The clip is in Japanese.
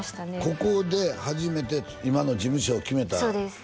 ここで初めて今の事務所を決めたそうです